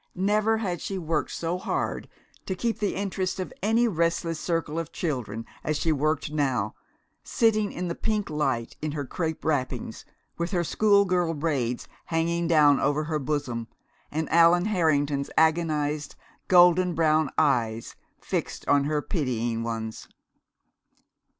Never had she worked so hard to keep the interest of any restless circle of children as she worked now, sitting up in the pink light in her crepe wrappings, with her school girl braids hanging down over her bosom, and Allan Harrington's agonized golden brown eyes fixed on her pitying ones.